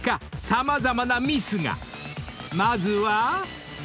［まずは］